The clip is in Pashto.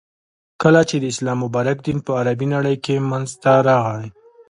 ،کله چی د اسلام مبارک دین په عربی نړی کی منځته راغی.